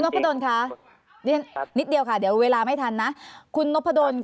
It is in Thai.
คุณนกพะโดนคะนิดเดียวค่ะเดี๋ยวเวลาไม่ทันนะคุณนกพะโดน